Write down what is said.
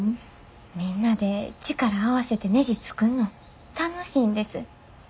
みんなで力合わせてねじ作んの楽しいんです。